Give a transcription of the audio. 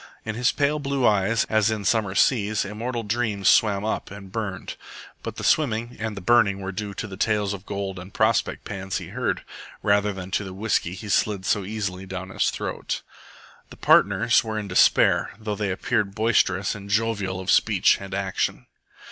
In his pale blue eyes, as in summer seas, immortal dreams swam up and burned, but the swimming and the burning were due to the tales of gold and prospect pans he heard, rather than to the whisky he slid so easily down his throat. The partners were in despair, though they appeared boisterous and jovial of speech and action.